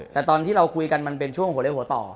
แต่ตอนที่เราคุยกันมันเป็นช่วงหัวเล็กหัวต่อ